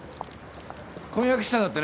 婚約してたんだってね